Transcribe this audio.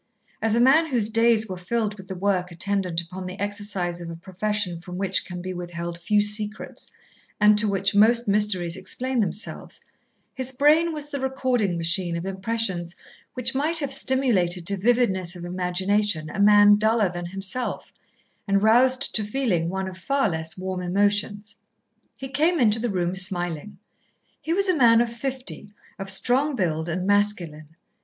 As a man whose days were filled with the work attendant upon the exercise of a profession from which can be withheld few secrets, and to which most mysteries explain themselves, his brain was the recording machine of impressions which might have stimulated to vividness of imagination a man duller than himself, and roused to feeling one of far less warm emotions. He came into the room smiling. He was a man of fifty, of strong build, and masculine.